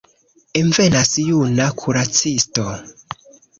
Envenas juna kuracisto.